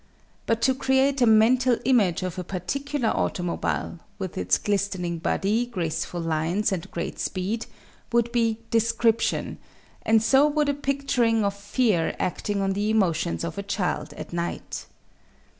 But to create a mental image of a particular automobile, with its glistening body, graceful lines, and great speed, would be description; and so would a picturing of fear acting on the emotions of a child at night.